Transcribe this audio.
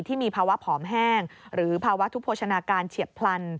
ที่มีภาวะผอมแห้งหรือภาวะทุกโภชนาการเฉียบพลัน